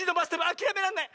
あきらめらんない！